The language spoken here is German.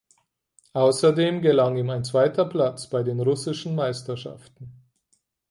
Außerdem gelang ihm ein zweiter Platz bei den Russischen Meisterschaften.